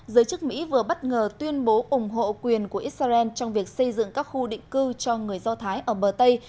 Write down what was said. giới chức mỹ vừa bất ngờ tuyên bố ủng hộ quyền của israel trong việc xây dựng các khu định cư cho người do thái ở bờ tây